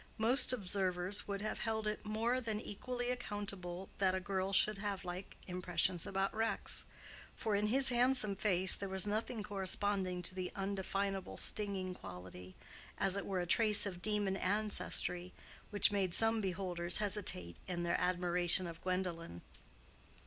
Most observers would have held it more than equally accountable that a girl should have like impressions about Rex, for in his handsome face there was nothing corresponding to the undefinable stinging quality—as it were a trace of demon ancestry—which made some beholders hesitate in their admiration of Gwendolen.